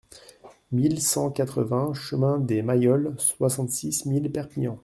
mille cent quatre-vingts chemin de Mailloles, soixante-six mille Perpignan